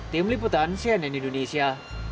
tim liputan cnn indonesia